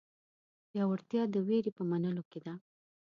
زړهورتیا د وېرې په منلو کې ده.